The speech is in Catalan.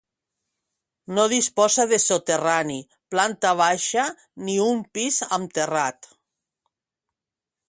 No disposa de soterrani, planta baixa ni un pis amb terrat.